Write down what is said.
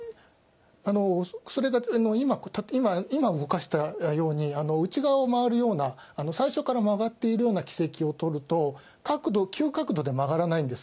それが今動かしたように、内側を回るような、最初から曲がっているような軌跡を取ると、角度、急角度で曲がらないんです。